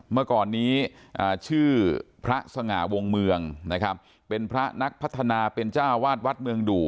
เมื่อก่อนนี้ชื่อพระสง่าวงเมืองนะครับเป็นพระนักพัฒนาเป็นเจ้าวาดวัดเมืองดู่